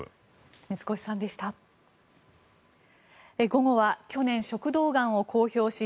水越さんでした。